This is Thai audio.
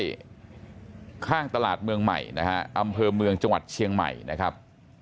ที่ข้างตลาดเมืองใหม่นะฮะอำเภอเมืองจังหวัดเชียงใหม่นะครับ